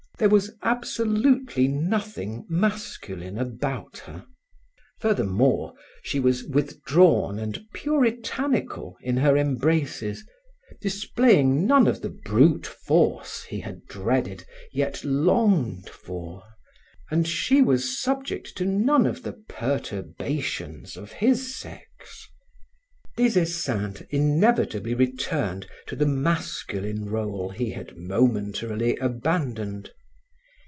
There was absolutely nothing masculine about her. Furthermore, she was withdrawn and puritanical in her embraces, displaying none of the brute force he had dreaded yet longed for, and she was subject to none of the perturbations of his sex. Des Esseintes inevitably returned to the masculine role he had momentarily abandoned.